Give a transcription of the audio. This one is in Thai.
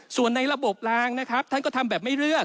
ส่วนในระบบลางนะครับท่านก็ทำแบบไม่เลือก